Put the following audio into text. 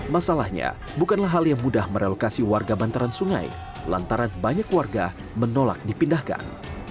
masalahnya bukanlah hal yang mudah merelokasi warga bantaran sungai lantaran banyak warga menolak dipindahkan